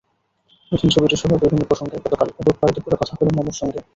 নতুন ছবিটিসহ বিভিন্ন প্রসঙ্গে গতকাল রোববার দুপুরে কথা হলো মমর সঙ্গে।